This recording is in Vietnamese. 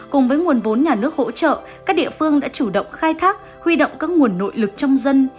cùng với nguồn vốn nhà nước hỗ trợ các địa phương đã chủ động khai thác huy động các nguồn nội lực trong dân